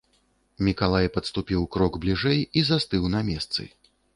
Мікалай падступіў крок бліжэй і застыў на месцы.